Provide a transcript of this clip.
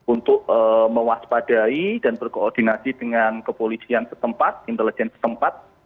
untuk mewaspadai dan berkoordinasi dengan kepolisian setempat intelijen setempat